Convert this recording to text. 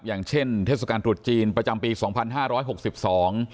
อย่างเช่นเทศกาลตรุษจีนประจำปีสองพันห้าร้อยหกสิบสอง